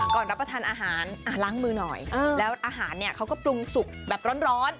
รับประทานอาหารล้างมือหน่อยแล้วอาหารเนี่ยเขาก็ปรุงสุกแบบร้อน